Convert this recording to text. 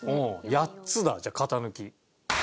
８つだじゃあ型抜き。